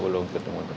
belum belum belum